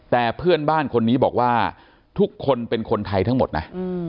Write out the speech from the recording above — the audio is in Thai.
แต่เพื่อนบ้านคนนี้บอกว่าทุกคนเป็นคนไทยทั้งหมดนะ